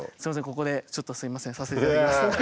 ここでちょっとすいませんさせていただきます。